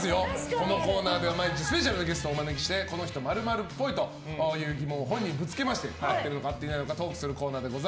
このコーナーでは毎日スペシャルなゲストをお招きしてこの人○○っぽいという勝手なイメージを本人にぶつけ合っているのか合っていないのかトークしていくコーナーです。